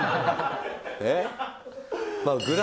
えっ？